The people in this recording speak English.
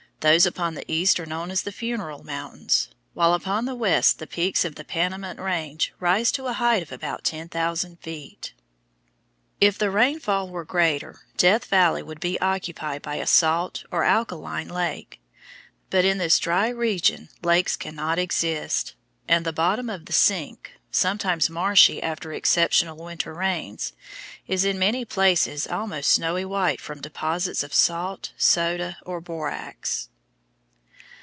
Those upon the east are known as the Funeral Mountains, while upon the west the peaks of the Panamint Range rise to a height of about ten thousand feet. If the rainfall were greater, Death Valley would be occupied by a salt or alkaline lake, but in this dry region lakes cannot exist, and the bottom of the sink, sometimes marshy after exceptional winter rains, is in many places almost snowy white from deposits of salt, soda, or borax.